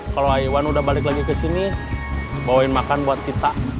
kalau aiwan udah balik lagi kesini bawain makan buat kita